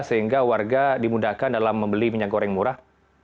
sehingga warga dimudahkan dalam membeli minyak goreng murah